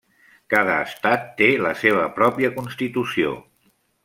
Cada estat té la seva pròpia constitució.